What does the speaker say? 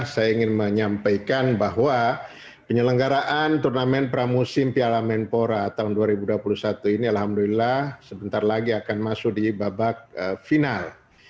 saya ingin menyampaikan bahwa penyelenggaraan turnamen pramusim piala menpora tahun dua ribu dua puluh satu ini alhamdulillah sebentar lagi akan masuk di babak final